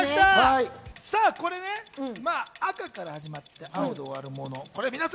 これ、赤から始まって、青で終わるもの。